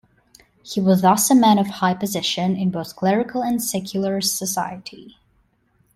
He was thus a man of high position in both clerical and secular society.